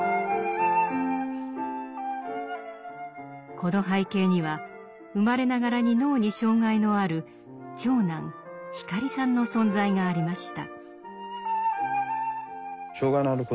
この背景には生まれながらに脳に障害のある長男・光さんの存在がありました。